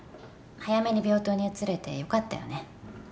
早めに病棟に移れてよかったよね？